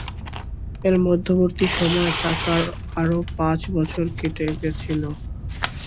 এর মধ্যবর্তী সময়ে টাকার আরও পাঁচ বছর বেঁচে ছিলেন।